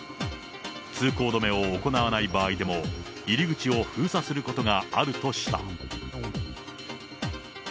通行止めを行わない場合でも、入り口を封鎖することがあるとした。